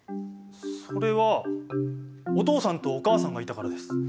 それはお父さんとお母さんがいたからです。